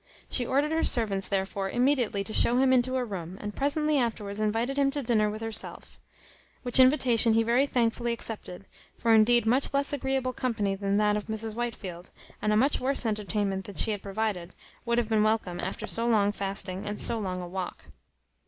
She ordered her servants, therefore, immediately to show him into a room, and presently afterwards invited him to dinner with herself; which invitation he very thankfully accepted; for indeed much less agreeable company than that of Mrs Whitefield, and a much worse entertainment than she had provided, would have been welcome after so long fasting and so long a walk.